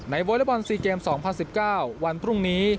วอเล็กบอล๔เกม๒๐๑๙วันพรุ่งนี้